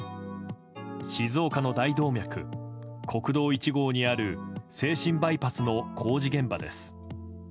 静岡の大動脈、国道１号にある静清バイパスの工事現場です。